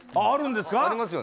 あるんですか？